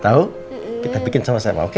tahu kita bikin sama sama oke